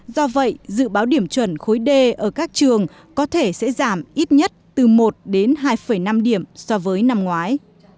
do vậy dự báo điểm chuẩn khối d ở các trường có thể sẽ giảm ít nhất từ một đến hai năm điểm so với năm ngoái